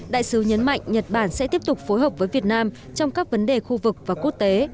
đại sứ nhấn mạnh nhật bản sẽ tiếp tục phối hợp với việt nam trong các vấn đề khu vực và quốc tế